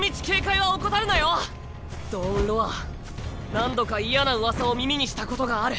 何度か嫌な噂を耳にしたことがある。